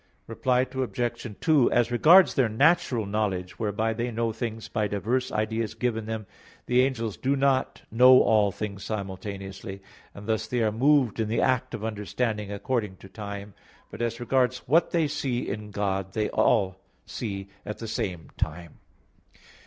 Reply Obj. 2: As regards their natural knowledge, whereby they know things by diverse ideas given them, the angels do not know all things simultaneously, and thus they are moved in the act of understanding according to time; but as regards what they see in God, they see all at the same time.